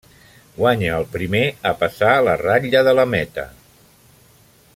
Guanya el primer a passar la ratlla de la meta.